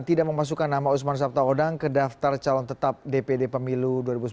tidak memasukkan nama usman sabtaodang ke daftar calon tetap dpd pemilu dua ribu sembilan belas